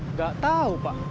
nggak tahu pak